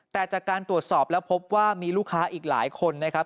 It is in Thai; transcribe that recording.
แต่จากการตรวจสอบแล้วพบว่ามีลูกค้าอีกหลายคนนะครับ